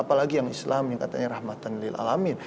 apalagi yang islam yang katanya rahmatan lil'alamin